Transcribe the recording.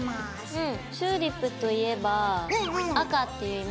うん。